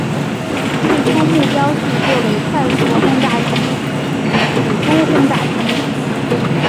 最初目标是作为快速轰炸机与俯冲轰炸机。